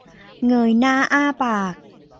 เงยหน้าอ้าปาก